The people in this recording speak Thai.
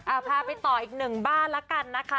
พาไปต่ออีกหนึ่งบ้านละกันนะคะ